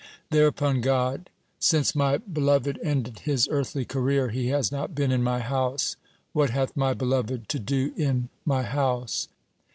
Thereupon God: "Since My beloved ended his earthly career, he has not been in My house. 'What hath My beloved to do in My house'?"